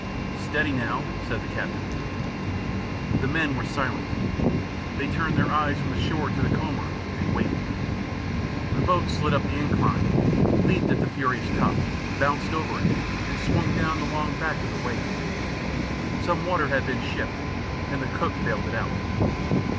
"Steady now," said the captain. The men were silent. They turned their eyes from the shore to the comber and waited. The boat slid up the incline, leaped at the furious top, bounced over it, and swung down the long back of the wave. Some water had been shipped and the cook bailed it out.